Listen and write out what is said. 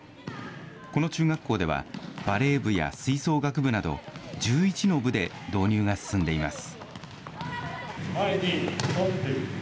この中学校では、バレー部や吹奏楽部など、１１の部で導入が進んでいます。